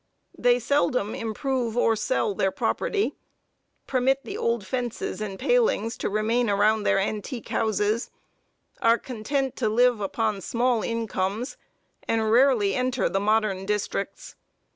They seldom improve or sell their property; permit the old fences and palings to remain around their antique houses; are content to live upon small incomes, and rarely enter the modern districts.